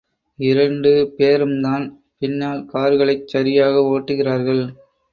இரண்டு பேரும்தான் பின்னால் கார்களைச் சரியாக ஓட்டுகிறார்கள்.